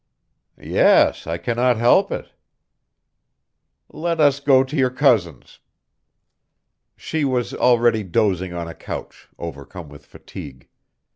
"Yes, I cannot help it." "Let us go to your cousin's." She was already dozing on a couch, overcome with fatigue.